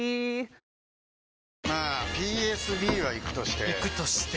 まあＰＳＢはイクとしてイクとして？